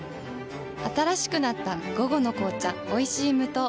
新しくなった「午後の紅茶おいしい無糖」